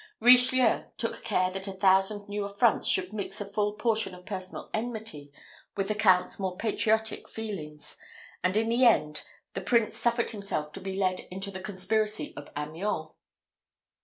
Richelieu took care that a thousand new affronts should mix a full portion of personal enmity with the Count's more patriotic feelings, and in the end the prince suffered himself to be led into the conspiracy of Amiens.